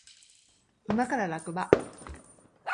馬から落馬